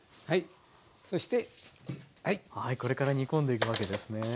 はいこれから煮込んでいくわけですね。